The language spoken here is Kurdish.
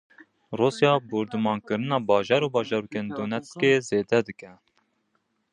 Rûsya bordûmankirina bajar û bajarokên Donetskê zêde dike.